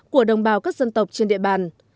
của đồng bào các dân tộc trên địa bàn